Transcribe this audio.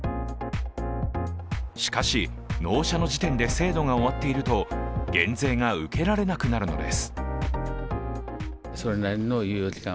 しかし、納車の時点で制度が終わっていると減税が受けられなくなるのです。